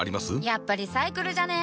やっぱリサイクルじゃね？